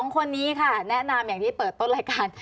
๒คนนี้ค่ะแนะนำอย่างที่เปิดต้นรายการ